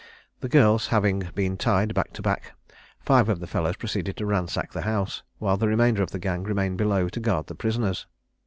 The girls having been tied back to back, five of the fellows proceeded to ransack the house, while the remainder of the gang remained below to guard the prisoners.